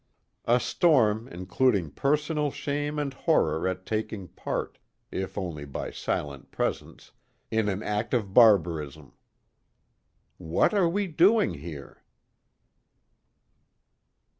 A storm including personal shame and horror at taking part, if only by silent presence, in an act of barbarism. _What are we doing here?